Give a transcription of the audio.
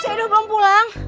cik edo belum pulang